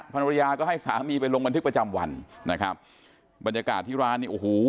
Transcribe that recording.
ภรรยาก็ให้สามีไปลงบันทึกประจำวันนะครับบรรยากาศที่ร้านนี่โอ้โห